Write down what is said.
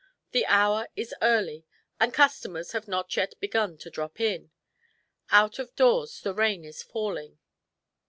The hour is early, and customers have not yet begun to drop in. Out of doors the rain is falling.